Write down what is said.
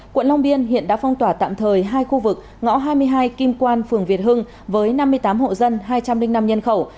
quận long biên hiện đã phong tỏa tạm thời hai khu vực ngõ hai mươi hai kim quan phường việt hưng với năm mươi tám hộ dân hai trăm linh năm nhân khẩu